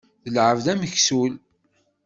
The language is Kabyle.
D lεebd ameksul.